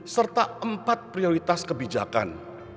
serta empat prioritas kebijakan